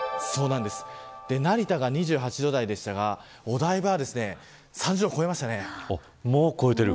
成田が２８度台でしたがお台場は３０度を超えました。